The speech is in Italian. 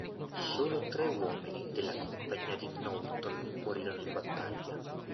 Solo tre uomini della Compagnia di Knowlton morirono in battaglia.